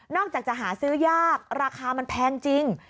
จากจะหาซื้อยากราคามันแพงจริง